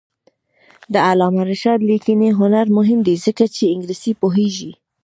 د علامه رشاد لیکنی هنر مهم دی ځکه چې انګلیسي پوهېږي.